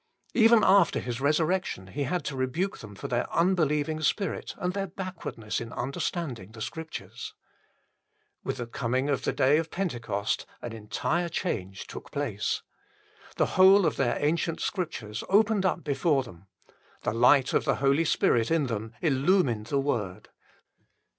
Even after His resurrection He had to rebuke them for their unbelieving spirit and their backwardness in understanding the Scriptures. With the coming of the day of Pentecost an entire change took place. The whole of their ancient Scriptures opened up before them. The light of the Holv Spirit in o J IT them illumined the Word.